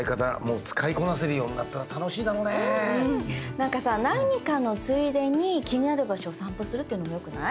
なんかさ何かのついでに気になる場所を散歩するっていうのもよくない？